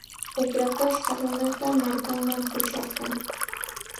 Uqrakashqa runata markanman pusharqan.